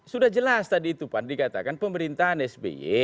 sudah jelas tadi itu pan dikatakan pemerintahan sby